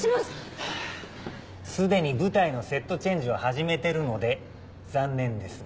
ハァ既に舞台のセットチェンジを始めてるので残念ですが。